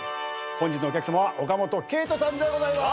本日のお客さまは岡本圭人さんでございます。